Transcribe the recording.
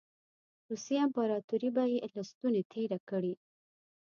روسیې امپراطوري به یې له ستوني تېره کړي.